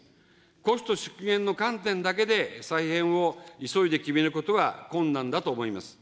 コスト縮減の観点だけで再編を急いで決めることは困難だと思います。